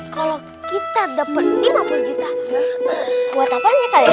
kalau kita dapat lima puluh juta buat apanya kali ya